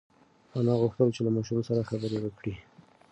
انا غوښتل چې له ماشوم سره خبرې وکړي.